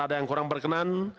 ada yang kurang berkenan